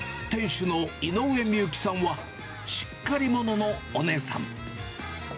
店主の井上己幸さんは、しっかり者のお姉さん。